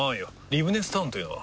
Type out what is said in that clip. リブネスタウンというのは？